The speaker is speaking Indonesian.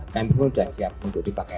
tempuh sudah siap untuk dipakai